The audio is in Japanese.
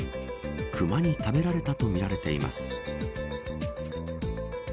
熊に食べられたとみられています。